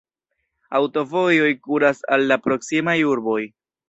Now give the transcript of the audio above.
Aŭtovojoj kuras al la proksimaj urboj.